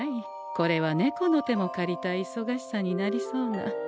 これは猫の手も借りたいいそがしさになりそうな。